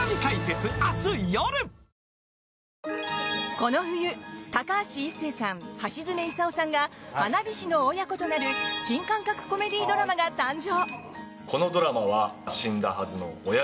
この冬、高橋一生さん橋爪功さんが花火師の親子となる新感覚コメディードラマが誕生！